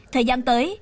thời gian tới